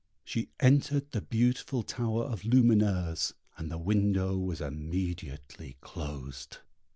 She entered the beautiful tower of Lumineuse, and the window was immediately closed.